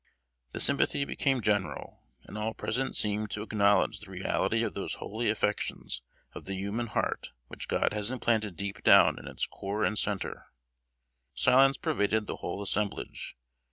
The sympathy became general; and all present seemed to acknowledge the reality of those holy affections of the human heart which God has implanted deep down in its core and center. Silence pervaded the whole assemblage.